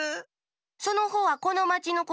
そのほうはこのまちのこか？